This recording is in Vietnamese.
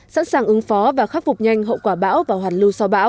sẵn sàng ứng phó và khắc phục nhanh hậu quả bão và hoàn lưu sau bão